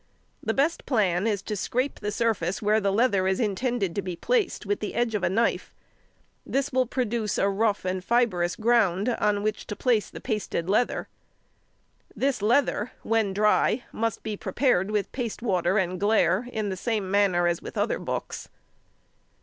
The best plan is to scrape |149| the surface where the leather is intended to be placed with the edge of a knife. This will produce a rough and fibrous ground on which to place the pasted leather. This leather, when dry, must be prepared with paste water and glaire, in the same manner as with other books.